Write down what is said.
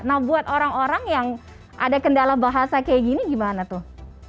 nah buat orang orang yang ada kendala bahasa kayak gini gimana tuh